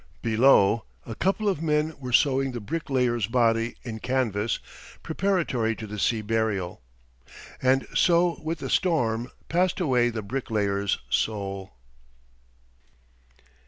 Below, a couple of men were sewing the "bricklayer's" body in canvas preparatory to the sea burial. And so with the storm passed away the "bricklayer's" soul.